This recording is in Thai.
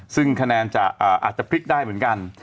ซึ่งคะแนนจะอาจจะพลิกได้เหมือนกัน